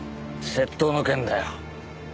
窃盗の件だよ。